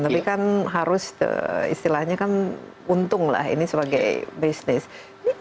tapi kan harus istilahnya kan untung lah ini sebagai bisnis